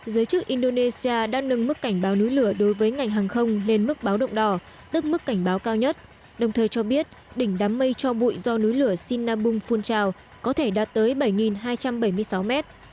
giới chức indonesia đã nâng mức cảnh báo núi lửa đối với ngành hàng không lên mức báo động đỏ tức mức cảnh báo cao nhất đồng thời cho biết đỉnh đám mây cho bụi do núi lửa sinabung phun trào có thể đạt tới bảy hai trăm bảy mươi sáu mét